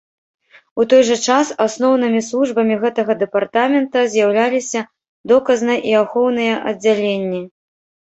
У той жа час, асноўнымі службамі гэтага дэпартамента з'яўляліся доказнай і ахоўныя аддзяленні.